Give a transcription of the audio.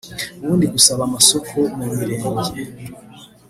“Ubundi gusaba amasoko mu mirenge